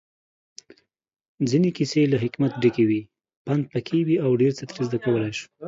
ځينې کيسې له حکمت ډکې وي، پندپکې وي اوډيرڅه ترې زده کولی شو